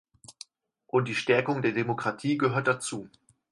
Und die Stärkung der Demokratie gehört dazu.